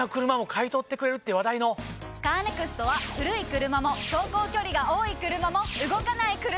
カーネクストは古い車も走行距離が多い車も動かない車でも。